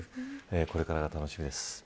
これからが楽しみです。